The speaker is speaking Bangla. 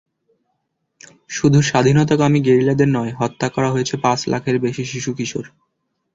শুধু স্বাধীনতাকামী গেরিলাদের নয়, হত্যা করা হয়েছে পাঁচ লাখের বেশি শিশু-কিশোর।